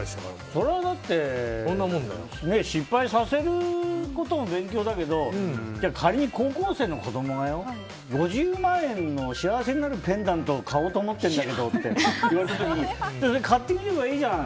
そりゃだって失敗させることも勉強だけど仮に高校生の子供が５０万円の幸せになるペンダントを買おうと思ってるんだけどって言われた時に買ってみればいいじゃん！